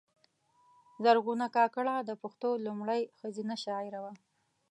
زرغونه کاکړه د پښتو لومړۍ ښځینه شاعره وه .